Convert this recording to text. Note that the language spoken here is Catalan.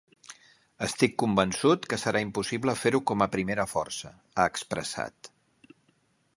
Estic convençut que serà impossible fer-ho com a primera força, ha expressat.